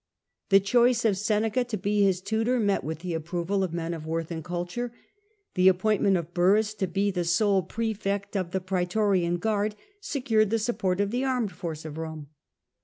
The Claudius, choice of Seneca to be his tutor met with the approval of men of worth and culture ; the ap' pointnient of Burrhus to be the sole prasfect of the prae torian guard secured the support of the armed force of Rome.